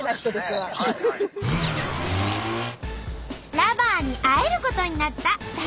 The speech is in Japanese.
Ｌｏｖｅｒに会えることになった２人。